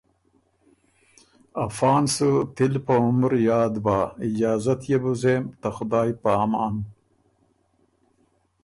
افا ن سُو تِل په عمر یاد بَۀ۔ اجازت يې بُو زېم، ته خدایٛ په امان“